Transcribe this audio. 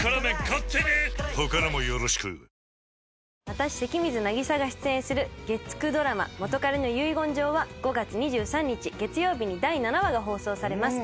私関水渚が出演する月９ドラマ『元彼の遺言状』は５月２３日月曜日に第７話が放送されます。